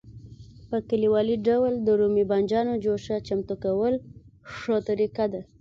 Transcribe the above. په کلیوالي ډول د رومي بانجانو جوشه چمتو کول ښه طریقه ده.